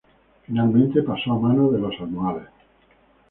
Finalmente, pasó a manos de los almohades.